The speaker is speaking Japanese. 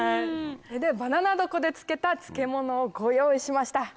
バナナ床で漬けた漬物をご用意しました。